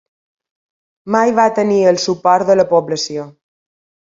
Mai va tenir el suport de la població.